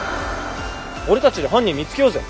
俺たちで犯人見つけようぜ。